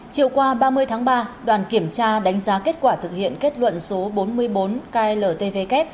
chiều qua ba mươi tháng ba đoàn kiểm tra đánh giá kết quả thực hiện kết luận số bốn mươi bốn kltvk